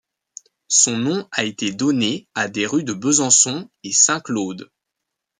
Son nom à été donné à des rues à Besançon et Saint-Claude.